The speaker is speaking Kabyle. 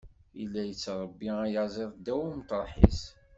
Yella yettṛebbi ayaziḍ ddaw umeṭreḥ-is.